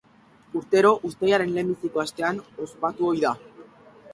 Urtero uztailaren lehenbiziko astean ospatu ohi da.